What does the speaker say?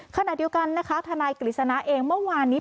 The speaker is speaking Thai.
ขณะเดียวกันนะคะทนายกฤษณะเองเมื่อวานนี้